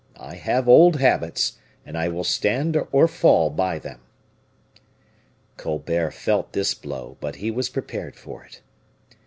I have old habits, and I will stand or fall by them." Colbert felt this blow, but he was prepared for it.